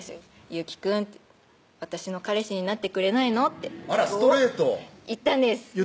「祐樹くん」って「私の彼氏になってくれないの？」ってあらストレート言ったんです